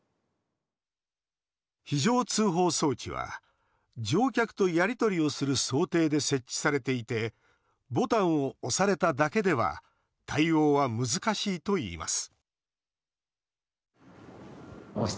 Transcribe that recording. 非常通報装置は乗客とやり取りをする想定で設置されていてボタンを押されただけでは対応は難しいといいます